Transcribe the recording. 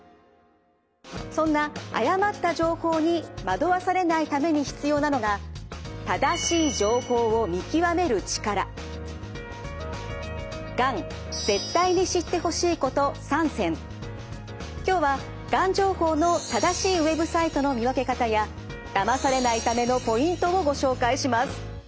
そんな誤った情報に惑わされないために必要なのが今日はがん情報の正しいＷＥＢサイトの見分け方やだまされないためのポイントをご紹介します。